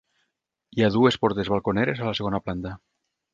Hi ha dues portes balconeres a la planta segona.